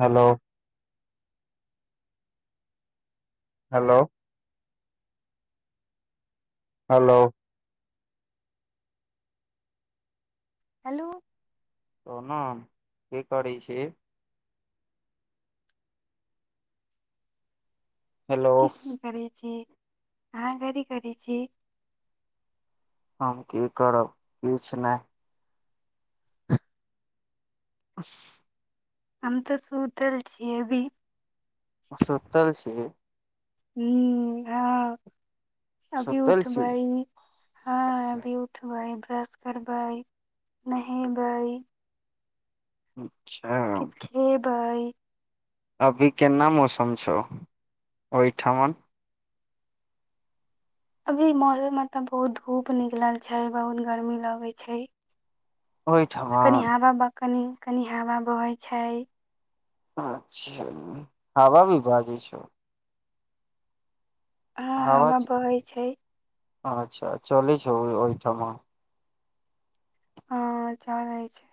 Hello hello hello hello [unintelligible] की करैत छी hello किछु नहि करै छी अहाँ कथि करैत छी हम की करब किछु नहि [inaudible] हम तऽ सुतल छियै अभी सुतल छी हू हां अभी सुतल छी उठबै हँ अभी उठबै ब्रश करबै नहेबै अच्छा किछ खेबै अभी केना मौसम छौ ओहिठमन अभी महैल मे तऽ बहुत धूप निकलल छै बहुत गर्मी लगे छै ओहिठाम आ कनि हवा ब कनि कनि हवा बहै छै अच्छा हावा भी भाजी छै ह हवा हावा च- बहै छै अच्छा चलै छ ओहिठाम ह चलै छै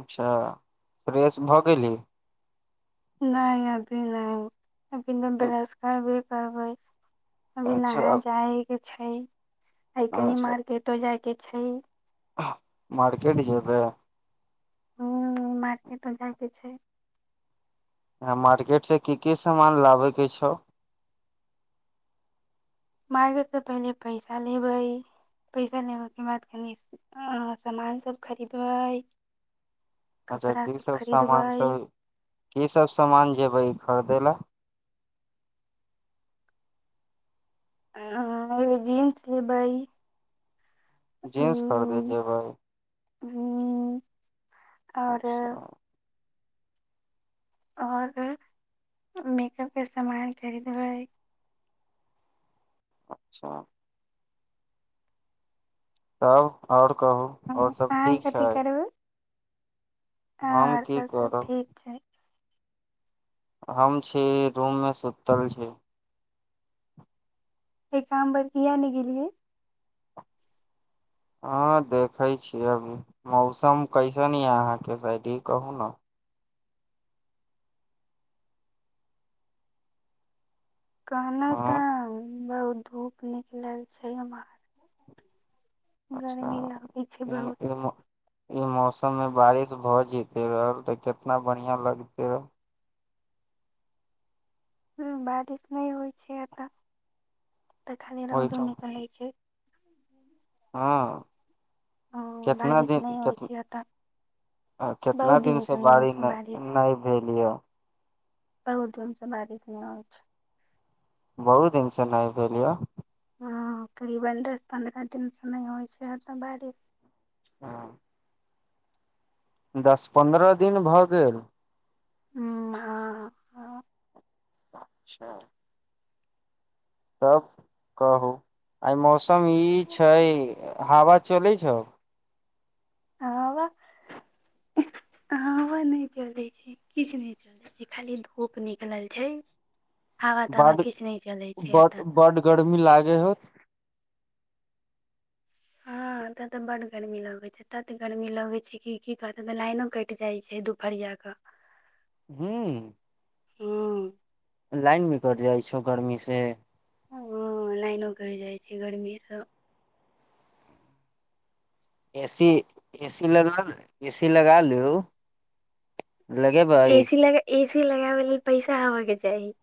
अच्छा फ्रेश भऽ गेली नय अभी नय अभी त बश करबे करबै अभी अच्छा नहा जाय के छै आइ कनि अच्छा मार्केटो जाय के छै मार्केट जेबै उ मार्केटो जाय के छै य मार्केट से की की सामान लाबे के छै मारकेट स तऽ पहिले पैसा लेबै पैसा लेबऽ के बाद कनि सामान सभ खरीदबै अच्छा कपड़ा कि सब सामान खरीदबै सब की सब समान जेबैई खरदै लए हऽ जीन्स लेबए जींन्स खरीदेए जेबैए उ उ और सब और मेकअप के सामान खरीदबइ अच्छा तब और कहू और सब अहाँ ठीक छय हाँ की और सब करब ठीक छय हम छी रूम में सुतल छी एक्जाम भर किया नहि गेलियै हाँ देखैय छीय अभी मौसम कैसन यऽ अहाँ के साइड ई कहु ने कहलहुँ हँ तऽ बहुत धूप निकलल छै हम अच्छा लागै छै बहुत ई मौसम में बारिश भए जते रहल ते केितना बढ़िया लगते रह बारिश नय होइ छै एतऽ एतऽ खाली रौदो ओहिठाम निकलै छै [inaudible] हँ ओ केतना बारिश दिन नहि होइ केत छै एतऽ आ कितना बहुत दिन से नहि होइ बारी छै बारिश न भेल यै बहुत दिनों से बारिश नय होय छै बहुत दिन सँ नय भेल हाँ करीबन दस पन्द्रह दिन सँ नय होई छै एहन बारिश हाँ दस पन्द्रह दीन भऽ गेल हूँ हाँ हम अच्छा तब कहू आई मौसम ई छय हवा चलैत छौ आव हवा नय चलै छै किछु नहि चलै छै खाली धूप निकले छै हावा तावा बड किछ नहि चलै छै बड एतय बड गर्मी लागै होउ हाँ ऐ तऽ बड़ गर्मी लगै छै ए गर्मी लगे छै क की कहते तऽ लाइटो कटि जाय छै दुफरीओ कऽ न हूँ हूँ लाइन भी कट जाई छय गर्मी से हाँ लाइनो कइट जाई छै गर्मी सँ एसी एसी लगा ए सी लगा लु लगेबइ एसी लग एसी लगाबे लेल पैसा होबय के चाही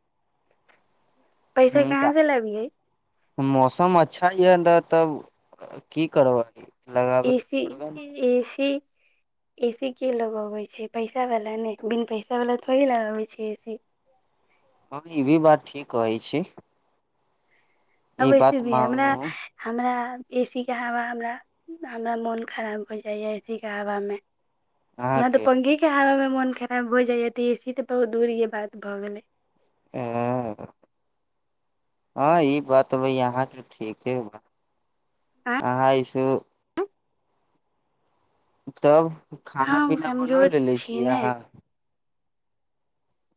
पैसा ह कहाँ तऽ से लबियइ मौसम अच्छा यऽ तऽ ने तब की करबइ एसी ए एसी एसी के लगोबै छय पैसा वला ने बिन पैसा वाला थोड़े लगबैत छै एसी हाँ ई भी बात ठीक कहय छी आ ई वैसे बात भी हमरा मानलहु हमरा ए सी के हावा हमरा हमरा मौन खराब भऽ जाइए ए सी के हावा में हमरा तऽ अहाँके पंखे के हवा में मौन खराब हो जाइया तऽ एसी तऽ बहुत दूर के बात भऽ गेलै ओ हाँ ई बात भय अहाँ के ठीके बा आँय अहाँ ऐसेहु तब खाना हम पीना बना कमजोर लेले छी छियै ने अहा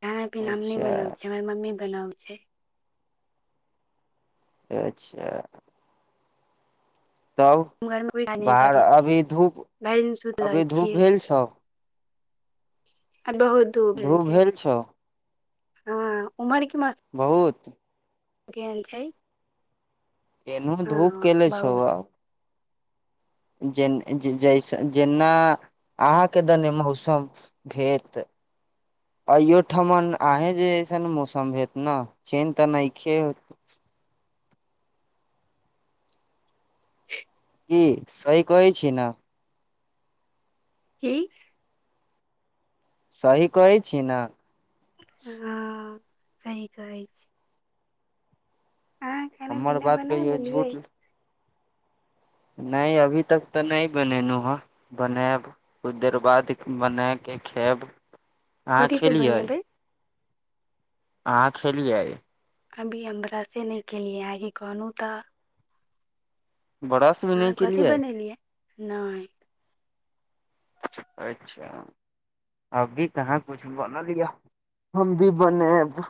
खाना पीना हम नहि अच्छा बनबै छियै हमर मम्मी बनाबै छैय। अच्छा तब [unintelligible] बाहर भरि अभी धूप दिन सुतल रहय अभी धूप छियै। भेल छौ आ बहुत धूप भेल छैय। हँ उमरके मौस बहुत केहन छैय? एनहो धूप केले छहो। बहुत जेना जैस जेना अहाँके दने मौसम भेत अयो ठमन अहें जेअइसन मौसम हेत ने चेनज तऽ नहिखे होत [unintelligible] की सही कहै छी ने? की? सही कहै छी ना? हाँ सही कहै छी। अहाँ खाना हमर पीना बात बना कहियो झूठ लेलियै नहि अभी तक तऽ नहि बनेलहु हैं बनायब। कुछ देर बाद बना के खैब। कथि सब बनेबय? अहाँ खेलियै। अभी हम ब्रशनहि केलियै आहांके कहलू तऽ। ब्रश भी अहाँ नहि कथी केलियै बनेलियै नहि। अच्छा अभी कहाँ कुछ बनलया। हम भी बनैब।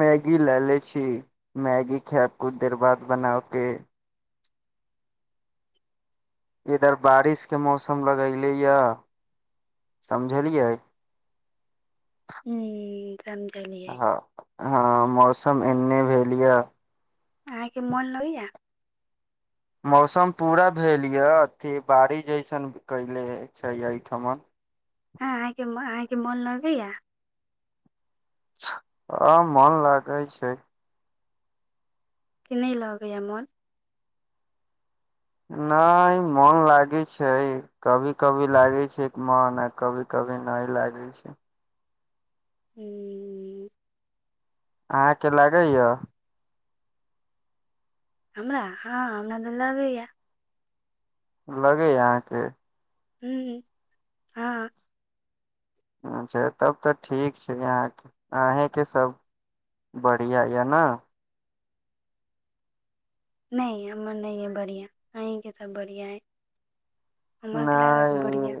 मैगी लैले छी मैगी खैब किछु देर बाद बनाके। इधर बारिश के मौसम लगले या समझलियै। हूं समझलियै हँ हँ मौसम एहने भेलया। अहाँके मोन लगैया? मौसम पूरा भेलया अथी बारिश जैसन कैले छैय एहिठमन। आहाके आहाके मोन लगैया? हां मन लागै छैय। की नहि लगैया मोन? नहि मन लागै छैय। कभी कभी लागे छैय मन आ कभी कभी नहि लागे छैय। हूँ अहाँके लागैया? हमरा हँ हमरा त लागैया। लगैया अहाँके? हूं हां अच्छा तब तऽ ठीक छै अहाँ के अहाके सब बढ़िया यऽ ने नहि हमर नहि यइ बढ़ियां अहींके त बढ़ियां अइ हमरके ल तऽ बढ़िआँ नहि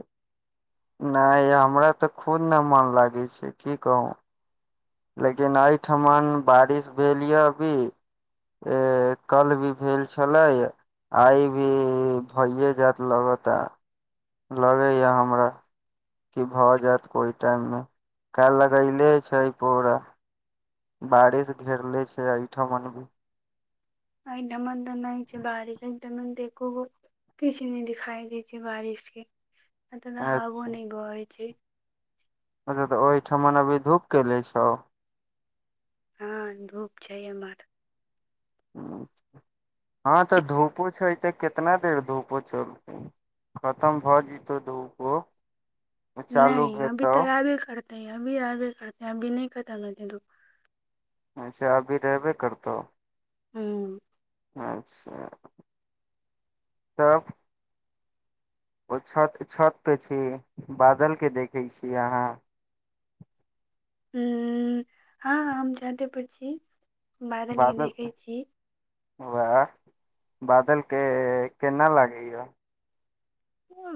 नहि हमरा तऽ खुद ने मन लागै छै की कहू लेकिन एहिठमन बारिश भेल यऽ अभी कल भी भेल छलै आइ भी भइए जायत लगत आ लगैए हमरा कि भऽ जायत कोहि टाइम मे काल् लगैले छै पौरा बारिश घेरले छै आइ ठमन भी आइ ठमन तऽ नहि छै बारीश आइठम तो एकोगो किछ नहि दिखाई दै छै बारिश के ओतना हवो न बहै छै अच्छा तऽ ओहिठमन अभी धूप कैले छौ हँ धूप छै एमहर हँ तऽ धूपो छै ते कितना देर धूपो चलतै खतम भऽ जतौ धूपो चालू नहि अभी हेतौ तऽ आबे करतेै अभी आबे करतेै अभी नहि खत्म हैते धूप अच्छा अभी रहबे करतौ हूं अच्छा तब ओ छत छत पे छीही बादल के देखे छिय अहाँ हँ हम छते पर छी बादलके बादल देखैत छी वाह बादल के केना लागै ये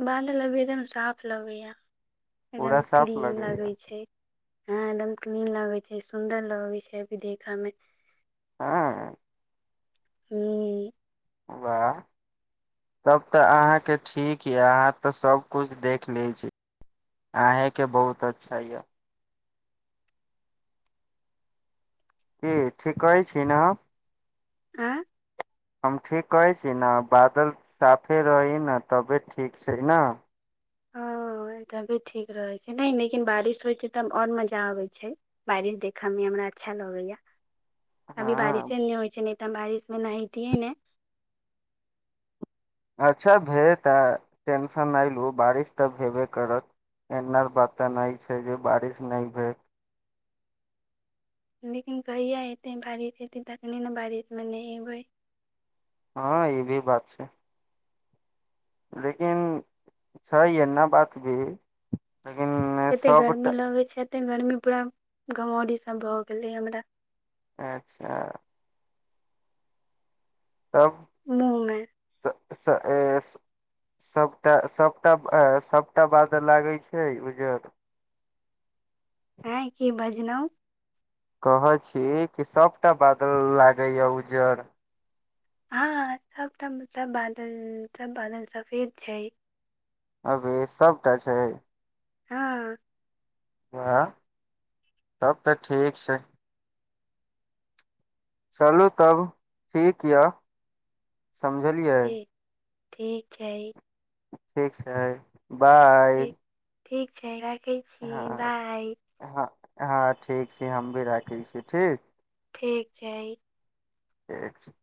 बादल अभी एकदम साफ लगैए एकदम पूरा साफ क्लीन लगै लगैया छै हँ एकदम क्लीन लगैत छै सुन्दर लगैत छै अभी देख मे हँ हु वाह तब त आहाँ के ठीक ये आहाँ ते सब कुछ देख लय छी आहे के बहुत अच्छा यऽ की ठीक कहै छी ना हम आँ हम ठीक कहै छी ने बादल साफे रहै ने तबे ठीक छै ना [inaudible] हाँ तभी ठीक रहै छै नहि लेकिन बारिश होइ छै तऽ आओर मजा आबै छै बारिश देखय मे हमरा अच्छा लगैया अभी हँ बारिशे नहि होइ छै नहि तऽ हम बारिश मे नहाेतियै ने अच्छा भेल तऽ टेंशन नहि लू बारिश तऽ हेबे करत ऐना बाते नहि छै जे बारिश नहि भेल लेकिन कहिया एतै बारिश एतै तखने ने बारिश मे नह‌एबै हँ ई भी बात छै लेकिन छै एना बात भी लेकिन कते सबटा गर्मी लगै छै एते गर्मी पूरा घमौरी सब भऽ गेलै हमरा अच्छा तब मुह में स एस सबटा सबटा सभटा बाद लागै छै उजर हँ की बाजलइ कहै छी कि सबटा बादल लागैए उज्जर हँ सब सब बादल सब बादल सफेद छय अभी सबटा छय हँ हाँ तब तऽ ठीक छै चलू तब ठीक यऽ समझलियै की ठीक छय ठीक छय बाय ठीक ठीक छैय राखइ हँ छी बाइ हँ हँ ठीक छय हम भी राखै छी ठीक ठीक छय ठीक छय